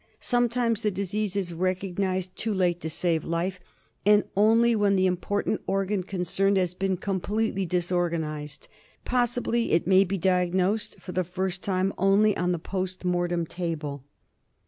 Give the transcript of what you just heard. Sometimes the disease is recognised too late to save life, and only when the important organ concerned has been completely disorganised. Possibly it may be diagnosed for the first time only on the post mortem table.